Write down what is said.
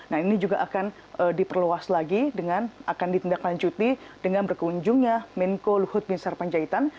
nah ini juga akan diperluas lagi dengan akan ditindaklanjuti dengan berkunjungnya menko luhut bin sarpanjaitan